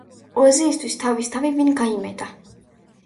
პოეზიისთვის თავის თავი ვინ გაიმეტა.